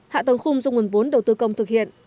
hạ tầng khung do nguồn vốn đầu tư công thực hiện